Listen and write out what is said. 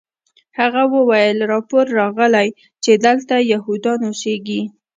هغه وویل راپور راغلی چې دلته یهودان اوسیږي